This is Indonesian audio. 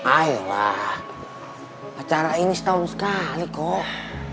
ayolah acara ini setahun sekali kok